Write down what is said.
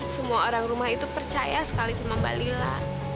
semua orang rumah itu percaya sekali sama mbak lila